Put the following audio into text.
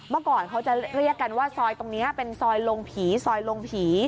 เมื่อก่อนเขาจะเรียกกันว่าซอยตรงนี้เป็นซอยลงผีซอยลงผี